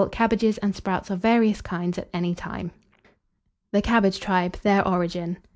Cabbages and sprouts of various kinds at any time. THE CABBAGE TRIBE: THEIR ORIGIN.